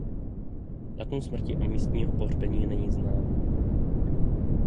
Datum smrti a místo pohřbení není známo.